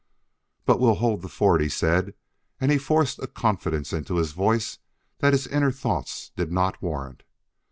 "But we'll hold the fort," he said and he forced a confidence into his voice that his inner thoughts did not warrant.